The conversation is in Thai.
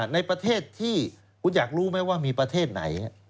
ในประเทศที่คุณอยากรู้ไหมว่ามีประเทศไหน